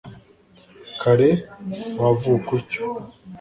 kare wavuka utyo